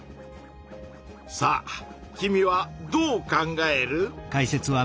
さあ君はどう考える？